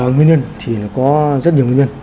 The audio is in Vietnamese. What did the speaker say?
nguyên nhân thì có rất nhiều nguyên nhân